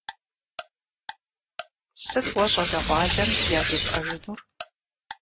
Сыт уэ щӏалэгъуалэм яжепӏэжынур?